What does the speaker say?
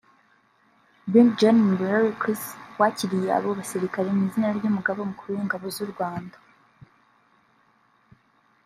Brig Gen Murari Chris wakiriye abo basirikare mu izina ry’Umugaba Mukuru w’ingabo z’u Rwanda